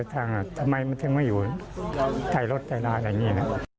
ทำไมมันทั้งวันหายอยู่ใต้รถใต้รานอะไรอย่างนี้